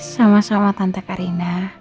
sama sama tante karina